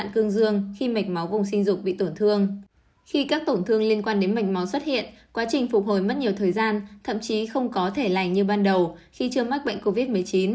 khi các tổn thương liên quan đến mạch máu xuất hiện quá trình phục hồi mất nhiều thời gian thậm chí không có thể lành như ban đầu khi chưa mắc bệnh covid một mươi chín